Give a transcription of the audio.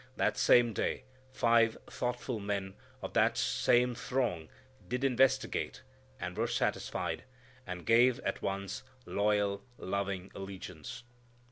That same day five thoughtful men of that same throng did investigate, and were satisfied, and gave at once loyal, loving allegiance.